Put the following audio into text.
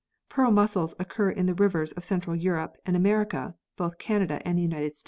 Pearl mussels occur in the rivers of Central Europe, and America (both Canada and the United States).